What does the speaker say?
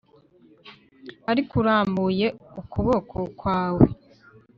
ariko, urambuye ukuboko kwawe